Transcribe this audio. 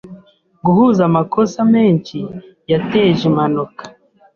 Guhuza amakosa menshi yateje impanuka.